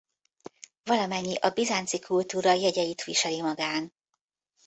Valamennyi a bizánci kultúra jegyeit viseli magán.